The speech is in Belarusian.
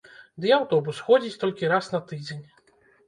Ды і аўтобус ходзіць толькі раз на тыдзень.